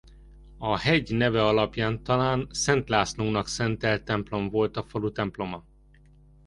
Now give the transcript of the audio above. A hegy neve alapján talán a Szent Lászlónak szentelt templom volt a falu temploma.